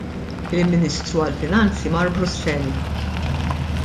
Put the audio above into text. Il-Ministru għall-Finanzi mar Brussell.